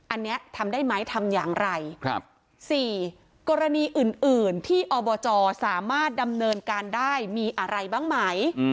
อันนี้ทำได้ไหมทำอย่างไร๔กรณีอื่นที่อบจสามารถดำเนินการได้มีอะไรบ้างไหม